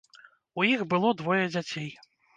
У іх было двое дзяцей.